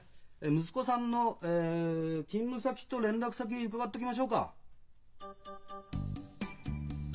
息子さんのえ勤務先と連絡先伺っておきましょうか。